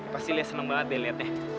pasti lia seneng banget deh liatnya